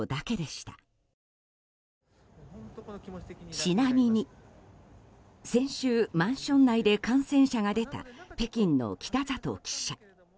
ちなみに、先週マンション内で感染者が出た北京の北里記者。